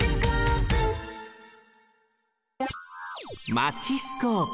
マチスコープ。